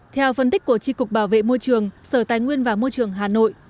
theo phân tích của tri cục bảo vệ môi trường sở tài nguyên và môi trường hà nội